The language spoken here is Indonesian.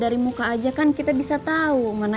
yang sekarang ini arkaden pokok di pioner pionina